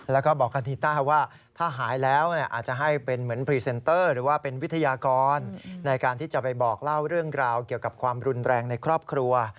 แล้วก็บอกกันทีต้าว่าถ้าหายแล้วอาจจะให้เป็นเหมือนพรีเซนเตอร์หรือว่าเป็นวิทยากรในการที่จะไปบอกเล่าเรื่องราวเกี่ยวกับความรุนแรงในครอบครัว